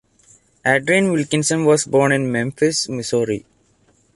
Adrienne Wilkinson was born in Memphis, Missouri.